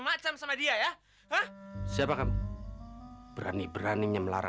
sayangnya adalah syekh tadi nirwania assumption